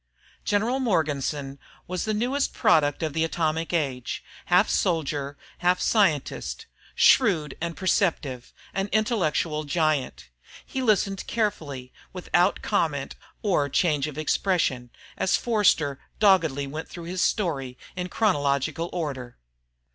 General Morganson was the newest product of the Atomic Age, half soldier, half scientist shrewd and perceptive, an intellectual giant. He listened carefully, without comment or change of expression, as Forster doggedly went through his story in chronological order.